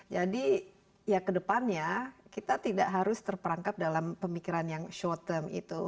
jadi ya kedepannya kita tidak harus terperangkap dalam pemikiran yang short term itu